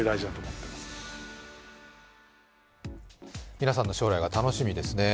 皆さんの将来が楽しみですね。